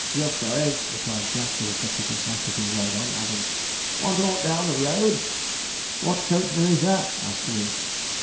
'Just going,' replied Jack, with a touch of his hat, as he rolled on, adding, 'want aught down the road?' 'What coachman is that?' asked we.